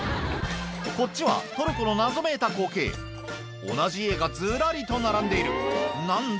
こっちはトルコの謎めいた光景同じ家がずらりと並んでいる何だ？